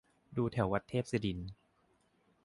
ดูแถววัดเทพศิรินทร์